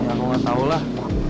ya kamu gak tahulah